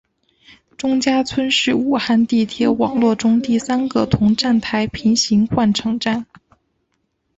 钟家村是武汉地铁网络中第三个同站台平行换乘站。